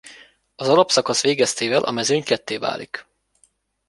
Az alapszakasz végeztével a mezőny ketté válik.